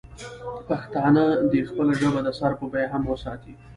پښتانه دې خپله ژبه د سر په بیه هم وساتي.